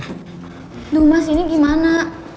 aduh mas ini gimana